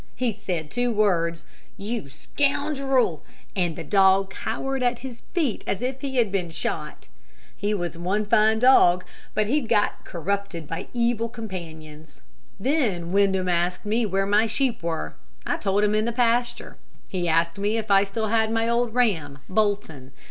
He said two words, 'You scoundrel!' and the dog cowered at his feet as if he had been shot. He was a fine dog, but he'd got corrupted by evil companions. Then Windham asked me where my sheep were. I told him in the pasture. He asked me if I still had my old ram Bolton.